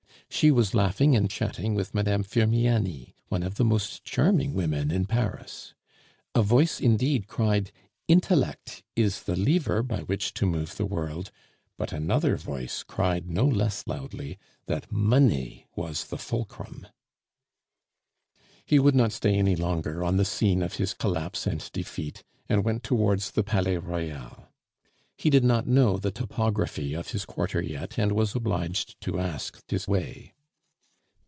She was laughing and chatting with Mme. Firmiani, one of the most charming women in Paris. A voice indeed cried, "Intellect is the lever by which to move the world," but another voice cried no less loudly that money was the fulcrum. He would not stay any longer on the scene of his collapse and defeat, and went towards the Palais Royal. He did not know the topography of his quarter yet, and was obliged to ask his way.